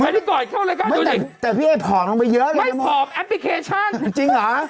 ต่อเข้าเลยครับดูสิ